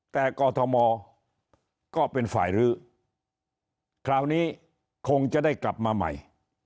แต่กอทมก็เป็นฝ่ายรื้อคราวนี้คงจะได้กลับมาใหม่